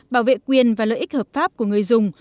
bảo vệ quyền và lợi ích hợp pháp của người dùng